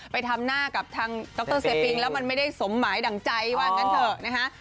ไปทำหน้ากับทางดรเซปิงแล้วมันไม่ได้สมหมายดั่งใจว่างั้นเถอะนะคะ